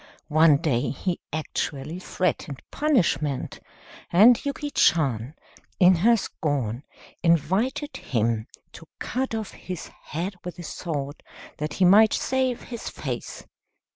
One day he actually threatened punishment, and Yuki Chan, in her scorn, invited him to cut off his head with a sword, that he might save his face.